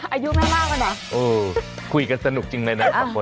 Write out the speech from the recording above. อายุไม่มากแล้วเหรอเออคุยกันสนุกจริงเลยนะสองคน